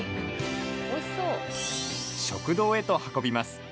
食堂へと運びます。